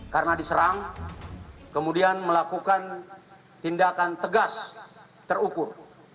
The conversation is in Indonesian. karena diserang kemudian melakukan tindakan tegas terukur